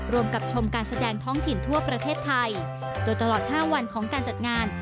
กับชมการแสดงท้องถิ่นทั่วประเทศไทยโดยตลอด๕วันของการจัดงาน